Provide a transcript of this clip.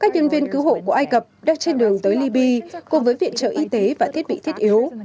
các nhân viên cứu hộ của ai cập đang trên đường tới liby cùng với viện trợ y tế và thiết bị thiết yếu